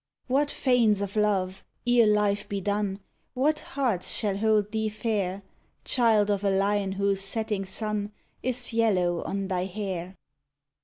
What fanes of love ere life be done What hearts shall hold thee fair, Child of a line whose setting sun Is yellow on thy hair?